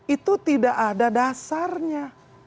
itu tidak ada dasarnya